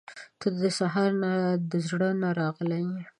• ته د اسمان نه، د زړه نه راغلې یې.